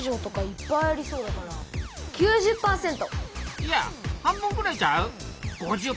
いや半分くらいちゃう？